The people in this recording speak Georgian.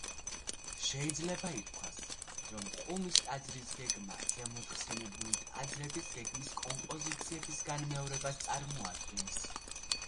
შეიძლება ითქვას, რომ ყუმის ტაძრის გეგმა ზემოთხსენებული ტაძრების გეგმის კომპოზიციების განმეორებას წარმოადგენს.